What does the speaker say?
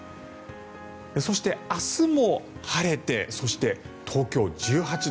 そして、明日も晴れてそして東京、１８度。